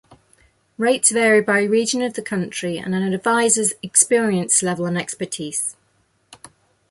Rates vary by region of the country and an advisor's experience level and expertise.